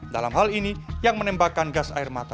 dalam hal ini yang menembakkan gas air mata